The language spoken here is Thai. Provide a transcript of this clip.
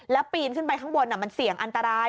แล้วปีนขึ้นไปข้างบนมันเสี่ยงอันตราย